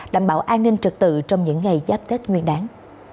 đảm bảo an ninh trật tự trong những ngày giáp tết nguyên đáng